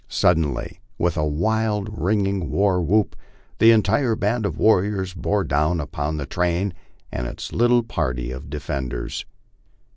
Suddenly, with a wild ringing war whoop, the entire band of warriors bore down upon the train and its little party of defenders.